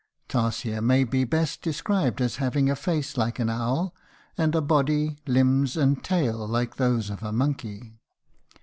Tarsier may best be described as having a face like an owl and a body, limbs, and tail like those of a monkey.